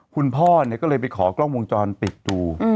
คุณพ่อก็เลยไปขอกล้องวงจรปิดดู